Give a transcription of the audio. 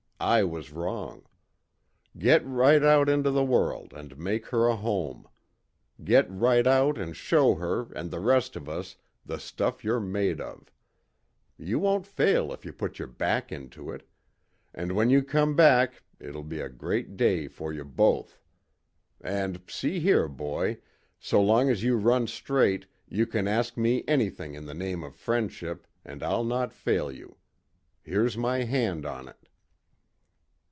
I was wrong. Get right out into the world and make her a home. Get right out and show her, and the rest of us, the stuff you're made of. You won't fail if you put your back into it. And when you come back it'll be a great day for you both. And see here, boy, so long as you run straight you can ask me anything in the name of friendship, and I'll not fail you. Here's my hand on it."